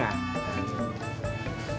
nah bunga saya juga